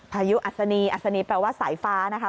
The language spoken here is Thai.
พายุอัศนีอัศนีแปลว่าสายฟ้านะคะ